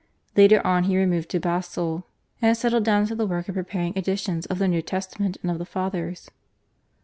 Later on he removed to Basle and settled down to the work of preparing editions of the New Testament and of the Fathers.